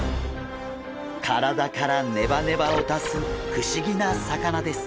体からネバネバを出す不思議な魚です。